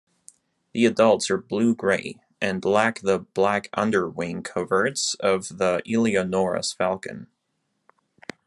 The adults are blue-grey, and lack the black underwing coverts of the Eleonora's falcon.